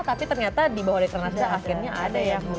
tapi ternyata di bawah dekra nasdaq akhirnya ada ya bu ya